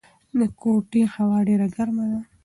د کوټې هوا ډېره ګرمه ده.